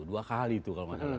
dua kali itu kalau nggak salah